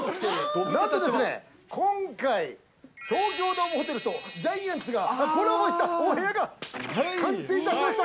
なんと、今回、東京ドームホテルとジャイアンツがコラボしたお部屋が完成しました。